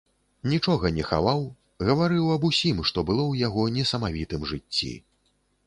Нічога не хаваў, гаварыў аб усім, што было ў яго несамавітым жыцці.